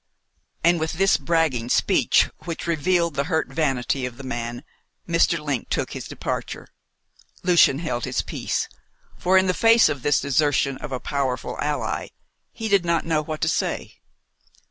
And with this bragging speech, which revealed the hurt vanity of the man, Mr. Link took his departure. Lucian held his peace, for in the face of this desertion of a powerful ally he did not know what to say.